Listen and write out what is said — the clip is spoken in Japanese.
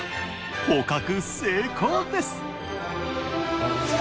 捕獲成功です！